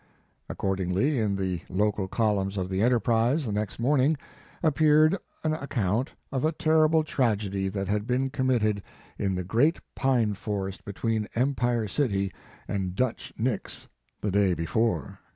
Accordingly, in the local columns of the Enterprise the next morning appeared an account of a terrible tragedy that had been committed in "the great pine forest between Empire City and Dutch Nick s" the day before.